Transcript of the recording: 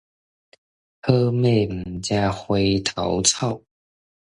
好馬毋食回頭草